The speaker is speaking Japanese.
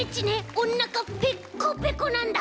おなかペッコペコなんだ。